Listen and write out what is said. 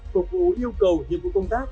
phục vụ yêu cầu nhiệm vụ công tác